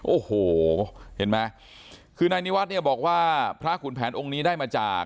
โอ้โหเห็นไหมคือนายนิวัฒน์เนี่ยบอกว่าพระขุนแผนองค์นี้ได้มาจาก